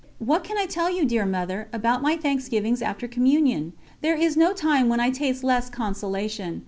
What can I tell you, dear Mother, about my thanksgivings after Communion? There is no time when I taste less consolation.